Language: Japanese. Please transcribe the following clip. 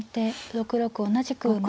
６六同じく馬。